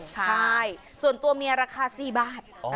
ใช่ส่วนตัวเมียราคา๔บาท